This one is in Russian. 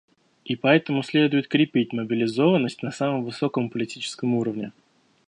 И поэтому следует крепить мобилизованность на самом высоком политическом уровне.